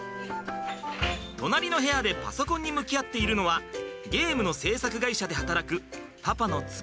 隣の部屋でパソコンに向き合っているのはゲームの制作会社で働くパパの翼さん。